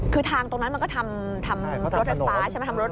คือทางตรงนั้นมันก็ทำรถทะฟ้าใช่ไหม